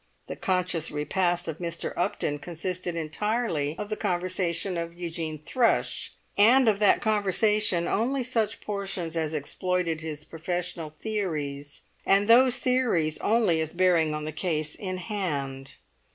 The conscious repast of Mr. Upton consisted entirely of the conversation of Eugene Thrush, and of that conversation only such portions as exploited his professional theories, and those theories only as bearing on the case in hand.